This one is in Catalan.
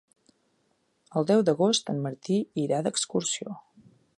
El deu d'agost en Martí irà d'excursió.